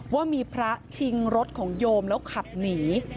ว่ามีพระชิงรถของโยมแล้วขับหนี